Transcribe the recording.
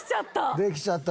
できちゃった。